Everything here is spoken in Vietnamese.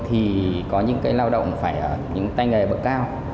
thì có những cái lao động phải ở những tay nghề bậc cao